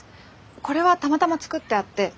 これはたまたま作ってあって。